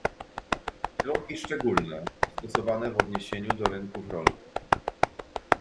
Środki szczególne stosowane w odniesieniu do rynków rolnych